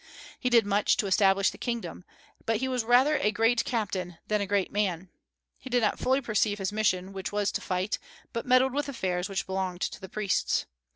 He did much to establish the kingdom; but he was rather a great captain than a great man. He did not fully perceive his mission, which was to fight, but meddled with affairs which belonged to the priests.